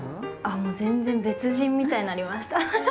全然別人みたいになりました。